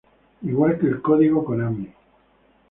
Igual que el código Konami.